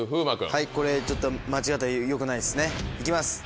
はいこれちょっと間違ったらよくないですね行きます。